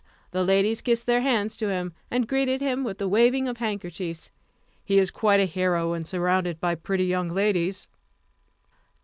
The ladies kissed their hands to him, and greeted him with the waving of handkerchiefs. He is quite a hero when surrounded by pretty young ladies."